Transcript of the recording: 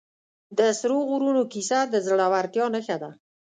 د سرو غرونو کیسه د زړورتیا نښه ده.